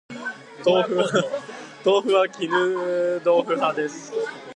豆腐は絹豆腐派です